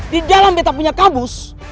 di dalam kita punya kabus